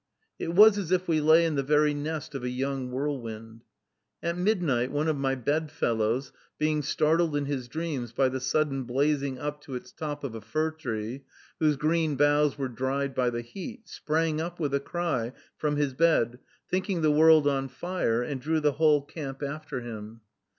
It was as if we lay in the very nest of a young whirlwind. At midnight, one of my bed fellows, being startled in his dreams by the sudden blazing up to its top of a fir tree, whose green boughs were dried by the heat, sprang up, with a cry, from his bed, thinking the world on fire, and drew the whole camp after him.